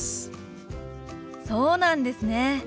そうなんですね。